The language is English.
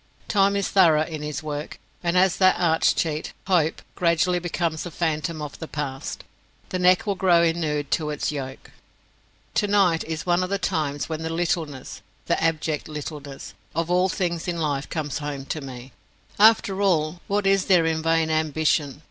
Time is thorough in his work, and as that arch cheat, Hope, gradually becomes a phantom of the past, the neck will grow inured to its yoke. Tonight is one of the times when the littleness the abject littleness of all things in life comes home to me. After all, what is there in vain ambition?